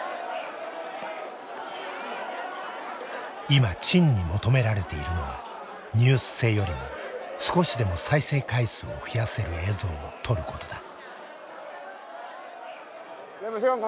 今陳に求められているのはニュース性よりも少しでも再生回数を増やせる映像を撮ることだ。